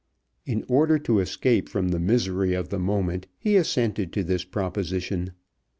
In order to escape from the misery of the moment he assented to this proposition.